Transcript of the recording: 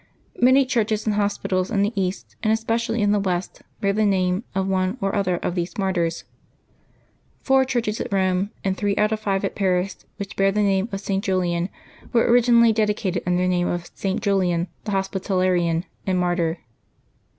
Many churches and hos pitals in the East, and especially in the West, bear the name of one or other of these martyrs. Four churches at Eome, and three out of five at Paris, which bear the name of St. Julian, were originally dedicated under the name of St. Julian, the Hospitalarian and martyr.